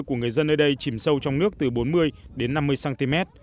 của người dân nơi đây chìm sâu trong nước từ bốn mươi đến năm mươi cm